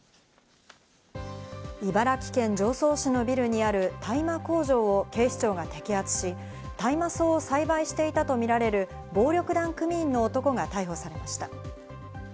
茨城県常総市のビルにある大麻工場を警視庁が摘発し、大麻草を栽培していたとみられる暴力団組員の男が逮捕されました。